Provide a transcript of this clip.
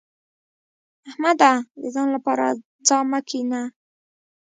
احمده! د ځان لپاره څا مه کينه.